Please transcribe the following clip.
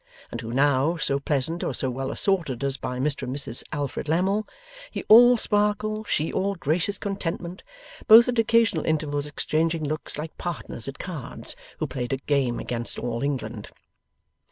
And who now so pleasant or so well assorted as Mr and Mrs Alfred Lammle, he all sparkle, she all gracious contentment, both at occasional intervals exchanging looks like partners at cards who played a game against All England.